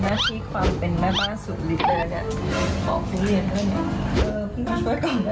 ทำหน้าที่ความเป็นแม่บ้านสูงหลีกเลยนี่ปอกทุเรียนเท่านั้น